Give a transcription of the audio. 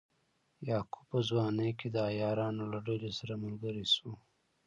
یعقوب په ځوانۍ کې د عیارانو له ډلې سره ملګری شو.